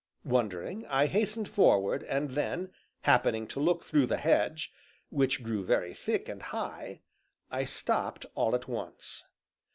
Wondering, I hastened forward, and then, happening to look through the hedge, which grew very thick and high, I stopped all at once.